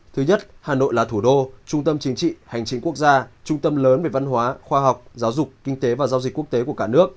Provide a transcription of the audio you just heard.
thứ nhất hà nội là thủ đô trung tâm chính trị hành chính quốc gia trung tâm lớn về văn hóa khoa học giáo dục kinh tế và giao dịch quốc tế của cả nước